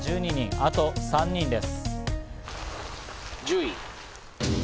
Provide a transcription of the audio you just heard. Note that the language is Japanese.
あと３人です。